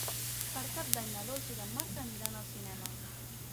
Per Cap d'Any na Dolça i en Marc aniran al cinema.